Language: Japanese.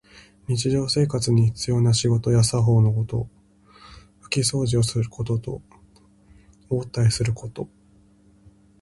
日常生活に必要な仕事や作法のこと。ふきそうじをすることと、応対すること。